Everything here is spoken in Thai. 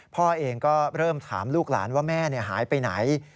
พ่อเองก็เริ่มถามลูกหลานว่าแม่หายไปไหน